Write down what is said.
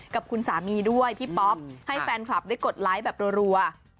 กับคุณสามีด้วยพี่ป๊อปให้แฟนคลับได้กดไลค์แบบรัว